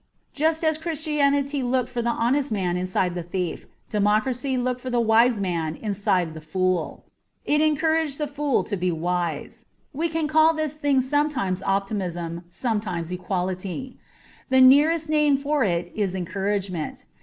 Just as Christianity looked for the honest man inside the thief, democracy looked for the wise man inside the fool. It encouraged the fool to be wise. We can call this thing sometimes optimism, sometimes equality ; the nearest name for it is encouragement.